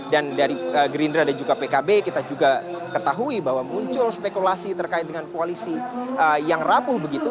dan dari gerindra dan juga pkb kita juga ketahui bahwa muncul spekulasi terkait dengan koalisi yang rapuh begitu